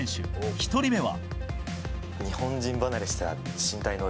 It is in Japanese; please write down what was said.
１人目は。